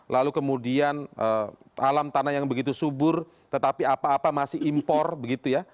lalu kemudian alam tanah yang begitu subur tetapi apa apa masih impor begitu ya